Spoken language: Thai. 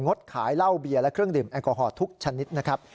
ดขายเหล้าเบียร์และเครื่องดื่มแอลกอฮอลทุกชนิดนะครับ